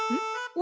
お！